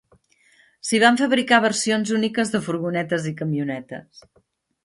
S'hi van fabricar versions úniques de furgonetes i camionetes.